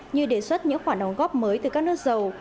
như đề xuất những khoản đóng góp mới từ các nước giàu